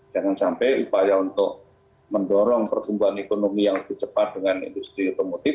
jangan sampai upaya untuk mendorong pertumbuhan ekonomi yang lebih cepat dengan industri otomotif